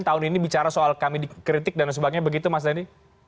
tahun ini bicara soal kami dikritik dan sebagainya begitu mas dhani